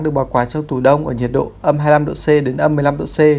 được bảo quản trong tủ đông ở nhiệt độ âm hai mươi năm độ c đến âm mươi năm độ c